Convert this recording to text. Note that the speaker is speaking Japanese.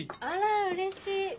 あらうれしい。